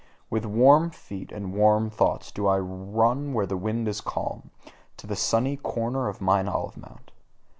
With warm feet and warm thoughts do I run where the wind is calm to the sunny corner of mine olive mount.